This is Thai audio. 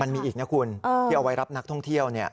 มันมีอีกนะคุณที่เอาไว้รับนักท่องเที่ยว